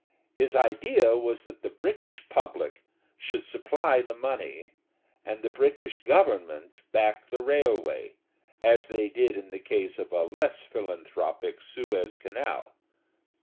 His idea was that the British public should supply the money and the British Government back the railway, as they did in the case of a less philanthropic Suez Canal.